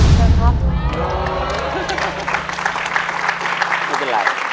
อันนี้เป็นไร